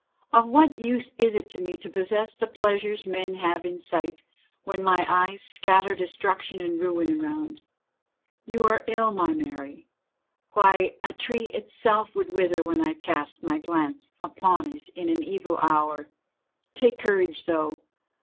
"Of what use is it to me to possess the pleasures men have in sight, when my eyes scatter destruction and ruin around? You are ill, my Mary. Why, a tree itself would wither when I cast my glance upon it in an evil hour. Take courage, though.